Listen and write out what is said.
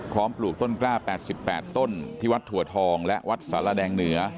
ปลูกต้นกล้า๘๘ต้นที่วัดถั่วทองและวัดสารแดงเหนือ